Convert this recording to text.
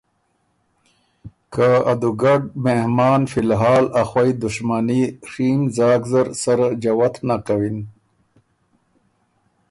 که ادُوګډ مهمان فی الحال ا خوئ دُشمني ڒیم ځاک زر سره جوت نک کوِن